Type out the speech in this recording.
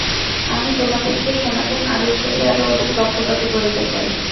আমি তোমাদিগকে সনাতন আদর্শেরই আরও অধিক পক্ষপাতী করিতে চাই।